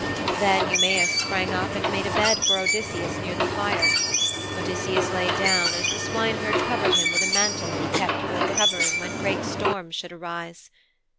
Then Eumæus sprang up and made a bed for Odysseus near the fire. Odysseus lay down, and the swineherd covered him with a mantle he kept for a covering when great storms should arise.